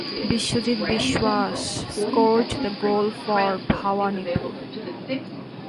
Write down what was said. Biswajit Biswas scored the goal for Bhawanipur.